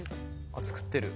あっ作ってる。